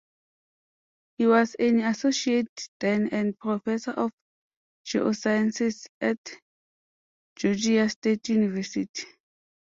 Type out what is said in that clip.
He was an associate dean and professor of geosciences at Georgia State University.